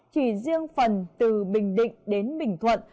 chỉ riêng phần từ bình định đến bình thuận